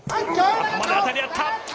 頭で当たり合った。